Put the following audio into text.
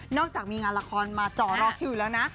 จากมีงานละครมาจอรอคิวอยู่แล้วนะ